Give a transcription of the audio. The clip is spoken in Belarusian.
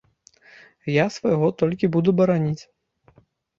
Я свайго толькі буду бараніць!